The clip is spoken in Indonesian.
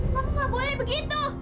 kamu gak boleh begitu